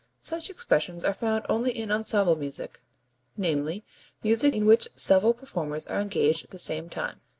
Such expressions are found only in ensemble music, i.e., music in which several performers are engaged at the same time.